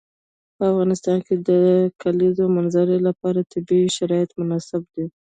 په افغانستان کې د د کلیزو منظره لپاره طبیعي شرایط مناسب دي.